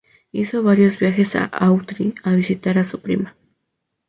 Hizo varios viajes a Autry a visitar a su prima.